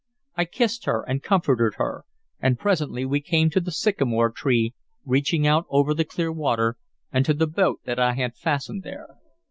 I kissed her and comforted her, and presently we came to the sycamore tree reaching out over the clear water, and to the boat that I had fastened there.